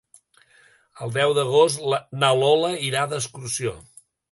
El deu d'agost na Lola irà d'excursió.